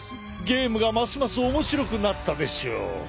ゲームがますます面白くなったでしょう。